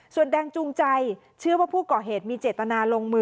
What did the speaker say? ส่วนแดงจูงใจเชื่อว่าผู้ก่อเหตุมีเจตนาลงมือ